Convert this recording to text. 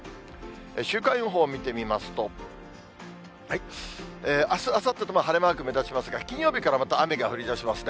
週間予報を見てみますと、あす、あさってとも晴れマーク目立ちますが、金曜日からまた雨が降りだしますね。